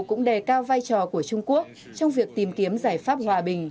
cũng đề cao vai trò của trung quốc trong việc tìm kiếm giải pháp hòa bình